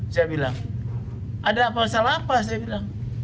saya bilang ada apa salah apa